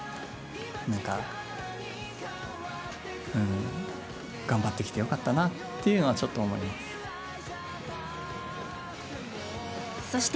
なんか、うーん、頑張ってきてよかったなっていうのはちょっと思います。